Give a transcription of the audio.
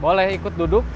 boleh ikut duduk